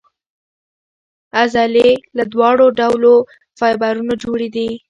عضلې له دواړو ډولو فایبرونو جوړې دي.